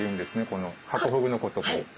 このハコフグのことを。